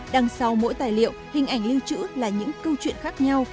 đằng sau mỗi tài liệu hình ảnh lưu trữ là những câu chuyện khác nhau